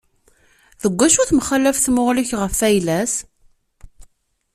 Deg acu temxalaf tmuɣli-k ɣef ayla-s?